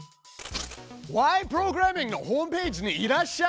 プログラミング」のホームページにいらっしゃい。